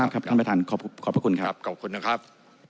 ครับขอบคุณนะครับ